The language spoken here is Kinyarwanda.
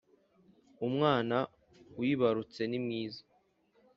umwana wibarutse nimwiza